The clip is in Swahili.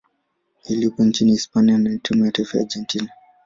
iliyopo nchini Hispania na timu ya taifa ya Argentina.